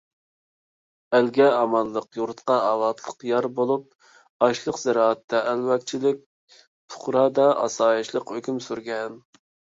ئەلگە ئامانلىق، يۇرتقا ئاۋاتلىق يار بولۇپ، ئاشلىق - زىرائەتتە ئەلۋەكچىلىك، پۇقرادا ئاسايىشلىق ھۆكۈم سۈرگەن.